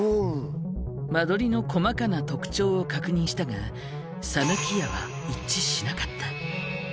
間取りの細かな特徴を確認したがさぬきやは一致しなかった。